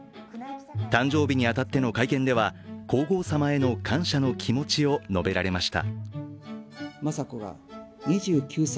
誕生日に当たっての会見では皇后さまへの感謝の気持ちを述べられました。